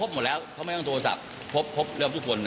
หมดแล้วเขาไม่ต้องโทรศัพท์พบเริ่มทุกคน